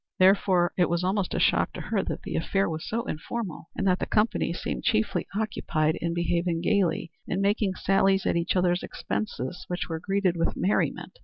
Therefore, it was almost a shock to her that the affair was so informal, and that the company seemed chiefly occupied in behaving gayly in making sallies at each other's expense, which were greeted with merriment.